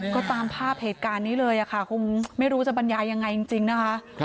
ก็ตามภาพเหตุการณ์นี้เลยค่ะคงไม่รู้จะบรรยายยังไงจริงนะคะ